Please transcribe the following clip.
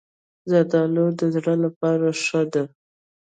زردالو د زړه لپاره ښه ده.